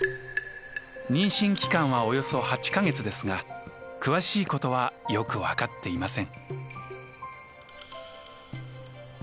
妊娠期間はおよそ８か月ですが詳しいことはよく分かっていません。